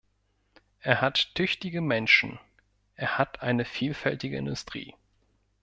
Er hat tüchtige Menschen, er hat eine vielfältige Industrie.